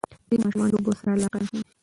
ځینې ماشومان لوبو سره علاقه نه ښیي.